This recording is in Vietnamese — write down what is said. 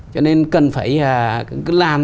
cho nên cần phải làm